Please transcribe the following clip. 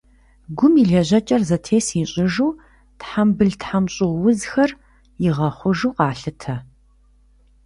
Гум и лэжьэкӏэр зэтес ищӏыжу, тхьэмбыл-тхьэмщӏыгъу узхэр игъэхъужу къалъытэ.